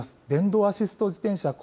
電動アシスト自転車